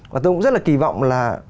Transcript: và tôi cũng rất là kỳ vọng là